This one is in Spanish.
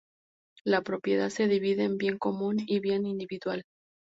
La propiedad se divide en bien común y bien individual.